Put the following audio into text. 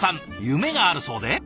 夢があるそうで。